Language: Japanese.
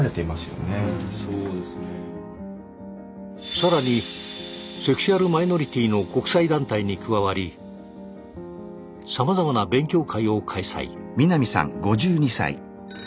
さらにセクシュアルマイノリティの国際団体に加わりさまざまな勉強会を開催。